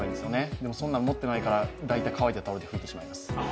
でも、そんなの持ってないから大体乾いたタオルで拭いてしまいます。